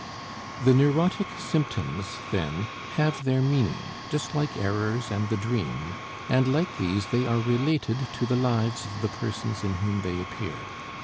The neurotic symptoms then have their meaning just like errors and the dream, and like these they are related to the lives of the persons in whom they appear.